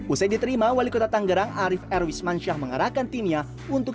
usai diterima wali kota tanggrang arief erwisman syah mengarahkan timnya untuk